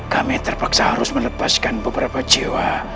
kami terpaksa harus melepaskan beberapa jiwa